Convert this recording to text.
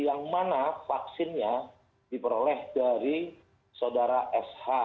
yang mana vaksinnya diperoleh dari saudara sh